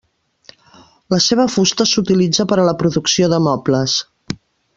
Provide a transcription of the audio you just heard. La seva fusta s'utilitza per a la producció de mobles.